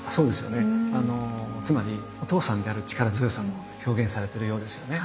つまりお父さんである力強さも表現されてるようですよね。